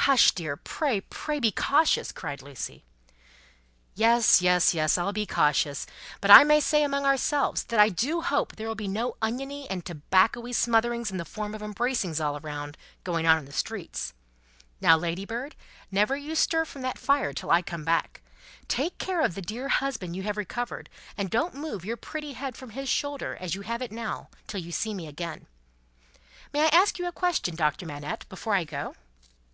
"Hush, dear! Pray, pray, be cautious!" cried Lucie. "Yes, yes, yes, I'll be cautious," said Miss Pross; "but I may say among ourselves, that I do hope there will be no oniony and tobaccoey smotherings in the form of embracings all round, going on in the streets. Now, Ladybird, never you stir from that fire till I come back! Take care of the dear husband you have recovered, and don't move your pretty head from his shoulder as you have it now, till you see me again! May I ask a question, Doctor Manette, before I go?"